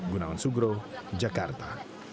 gunawan sugro jakarta